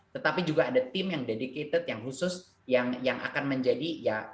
tetapi juga ada tim yang dedicated yang khusus yang akan menjadi ya